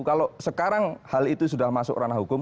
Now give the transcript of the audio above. kalau sekarang hal itu sudah masuk ranah hukum